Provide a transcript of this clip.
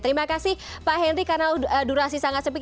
terima kasih pak henry karena durasi sangat sempit